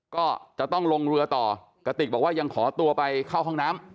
ก็จะต้องลงเรือต่อกระติกบอกว่ายังขอตัวไปเข้าห้องน้ำ